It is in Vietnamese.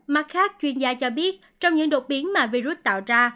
mặt khác chuyên gia cho biết trong những đột biến mà virus tạo ra